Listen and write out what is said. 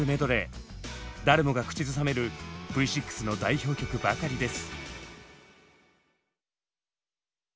誰もが口ずさめるＶ６の代表曲ばかりです。